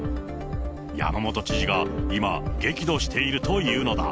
山本知事が今、激怒しているというのだ。